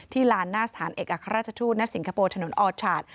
ลานหน้าสถานเอกอัครราชทูตณสิงคโปร์ถนนออชาร์จ